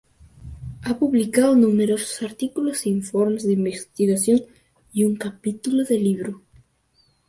Ha publicado numerosos artículos e informes de investigación y un capítulo de libro.